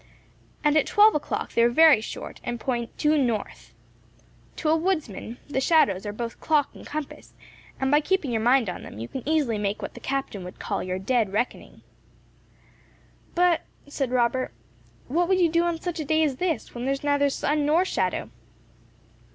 And at twelve o'clock they are very short, and point due north. To a woodsman the shadows are both clock and compass; and by keeping your mind on them, you can easily make what the captain would call your dead reckoning." "But," said Robert, "what would you do on such a day as this, when there is neither sun nor shadow?"